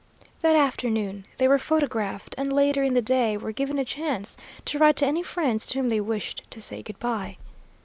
"That afternoon they were photographed, and later in the day were given a chance to write to any friends to whom they wished to say good by.